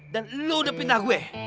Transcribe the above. dan lo udah pindah gue